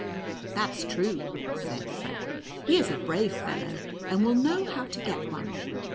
" That's true," said Fred, " he is a brave fel low, and will know how to get one."